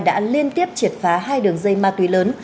đã liên tiếp triệt phá hai đường dây ma túy lớn